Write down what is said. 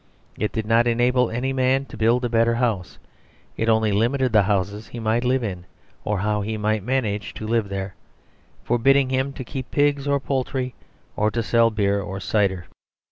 It did not enable any man to build a better house; it only limited the houses he might live in or how he might manage to live there; forbidding him to keep pigs or poultry or to sell beer or cider.